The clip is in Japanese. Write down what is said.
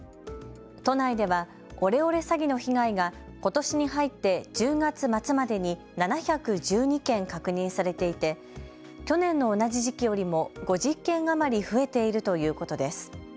都内では、オレオレ詐欺の被害がことしに入って１０月末までに７１２件確認されていて、去年の同じ時期よりも５０件余り増えているということです。